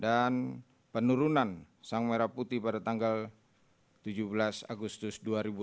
dan penurunan sang merah putih pada tanggal tujuh belas agustus dua ribu delapan belas